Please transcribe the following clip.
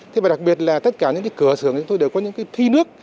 thế và đặc biệt là tất cả những cái cửa sưởng chúng tôi đều có những cái thi nước